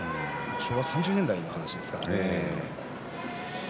昭和３０年代の話です。